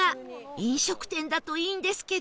飲食店だといいんですけど